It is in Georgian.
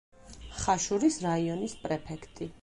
ხაშურის რაიონის პრეფექტი.